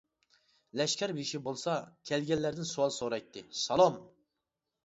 لەشكەر بېشى بولسا، كەلگەنلەردىن سوئال سورايتتى:-سالام!